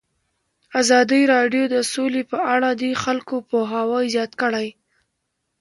ازادي راډیو د سوله په اړه د خلکو پوهاوی زیات کړی.